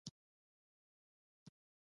لمسی د شپې ستوري ګوري.